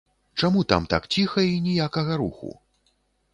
Чаму там так ціха і ніякага руху?